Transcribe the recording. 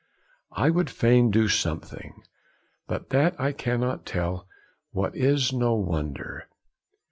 'I would fain do something, but that I cannot tell what is no wonder.'